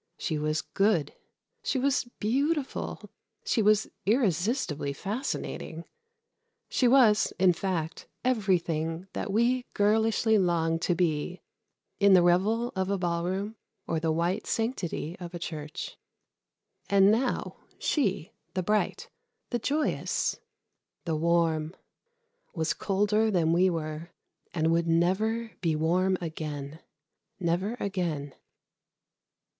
She was good, she was beautiful, she was irresistibly fascinating. She was, in fact, everything that we girlishly longed to be in the revel of a ballroom or the white sanctity of a church. And now she, the bright, the joyous, the warm, was colder than we were, and would never be warm again. Never again